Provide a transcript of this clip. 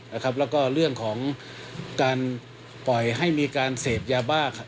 แล้วก็เรื่องของการปล่อยให้มีการเสพยาบ้า